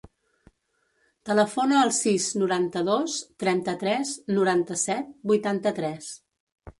Telefona al sis, noranta-dos, trenta-tres, noranta-set, vuitanta-tres.